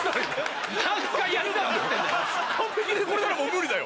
完璧でこれならもう無理だよ。